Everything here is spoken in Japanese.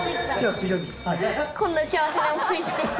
こんな幸せな思いして。